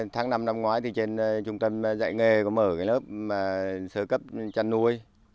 tháng năm năm ngoái thì trên trung tâm dạy nghề có mở cái lớp sơ cấp chăn nuôi